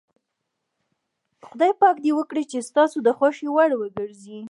خدای پاک دې وکړي چې ستاسو د خوښې وړ وګرځي.